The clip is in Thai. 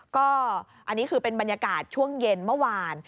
ก็อันนี้คือเป็นบรรยากาศช่วงเย็นเมื่อวาน